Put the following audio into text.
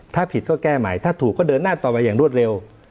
ถ้าผิดก็แก้ใหม่ถ้าถูกก็เดินหน้าต่อไปอย่างรวดเร็ว